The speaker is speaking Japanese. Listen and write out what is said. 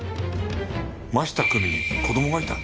真下久美に子供がいた？